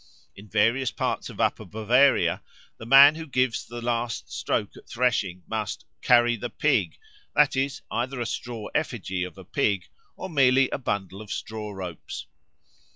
In various parts of Upper Bavaria the man who gives the last stroke at threshing must "carry the Pig" that is, either a straw effigy of a pig or merely a bundle of straw ropes.